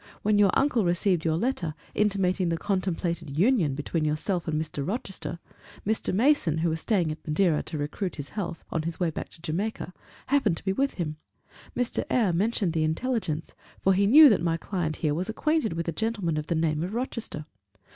When your uncle received your letter intimating the contemplated union between yourself and Mr. Rochester, Mr. Mason, who was staying at Madeira to recruit his health, on his way back to Jamaica happened to be with him. Mr. Eyre mentioned the intelligence; for he knew that my client here was acquainted with a gentleman of the name of Rochester.